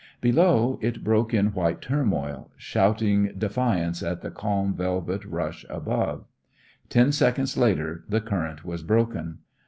Below, it broke in white turmoil, shouting defiance at the calm velvet rush above. Ten seconds later the current was broken.